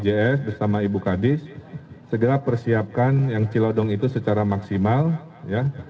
dimana pak wali pak pjs bersama ibu kadis segera persiapkan yang celodong itu secara maksimal ya